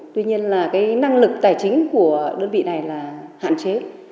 tuy nhiên là cái năng lực tài chính của đơn vị này là hạn chế